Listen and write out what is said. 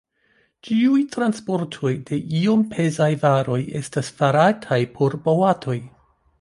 Ĉiuj transportoj de iom pezaj varoj estas farataj per boatoj.